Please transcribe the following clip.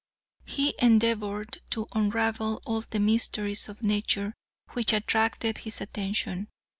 He endeavored to unravel all the mysteries of nature which attracted his attention.